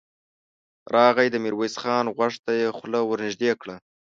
راغی، د ميرويس خان غوږ ته يې خوله ور نږدې کړه.